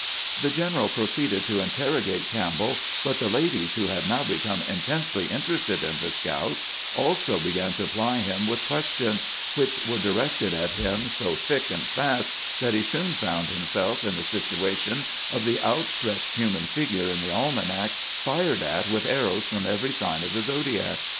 The general proceeded to interrogate Campbell, but the ladies, who had now become intensely interested in the scout, also began to ply him with ques tions, which were directed at him so thick and fast that he soon found himself in the situation of the outstretched human figure in the almanac, fired at with arrows from every sign of the zodiac.